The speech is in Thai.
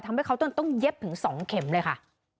ทำให้เขาต้องเย็บถึง๒เข็มเลยค่ะ